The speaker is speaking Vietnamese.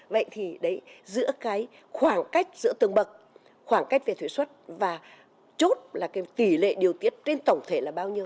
vậy thì đấy giữa cái khoảng cách giữa từng bậc khoảng cách về thuế xuất và chốt là cái tỷ lệ điều tiết trên tổng thể là bao nhiêu